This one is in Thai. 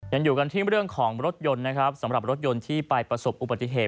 ยังอยู่กันที่เรื่องของรถยนต์นะครับสำหรับรถยนต์ที่ไปประสบอุบัติเหตุ